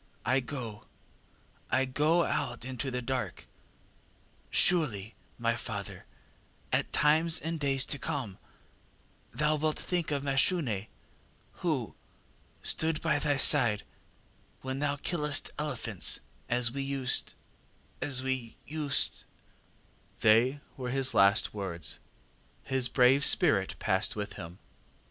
I go I go out into the dark! Surely, my father, at times in days to come thou wilt think of Mashune who stood by thy side when thou killest elephants, as we used as we used ŌĆÖ ŌĆ£They were his last words, his brave spirit passed with him.